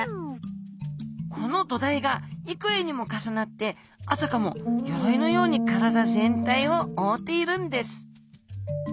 この土台がいくえにも重なってあたかも鎧のように体全体を覆っているんです